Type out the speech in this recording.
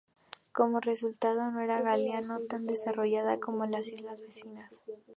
Como resultado, no era Galiano tan desarrollada como las islas vecinas.